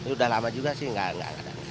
udah lama juga sih nggak